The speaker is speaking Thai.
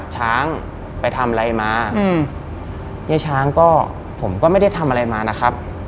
ช้างไปทำอะไรมาเย้ช้างก็ผมก็ไม่ได้ทำอะไรมานะครับ